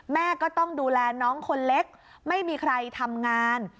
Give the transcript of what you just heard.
แม่ก็ต้องดูแลน้องคนเล็กไม่มีใครทำงาน